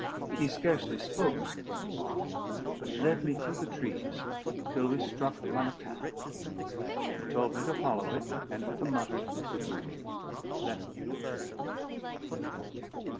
He scarcely spoke as we went along; but he led me through the trees till we struck upon a path. He told me to follow it, and, with a muttered "good morning" left me.